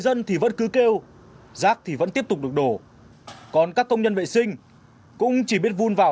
dân thì vẫn cứ kêu rác thì vẫn tiếp tục được đổ còn các công nhân vệ sinh cũng chỉ biết vun vào